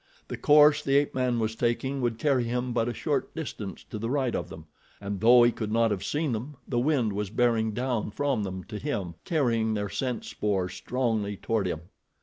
The course the ape man was taking would carry him but a short distance to the right of them, and though he could not have seen them the wind was bearing down from them to him, carrying their scent spoor strongly toward him.